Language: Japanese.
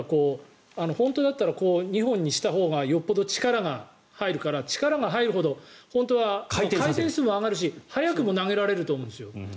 本当だったら２本にしたほうがよっぽど力が入るから力が入るほど本当は回転数は上がるし速くも投げられると思うんです。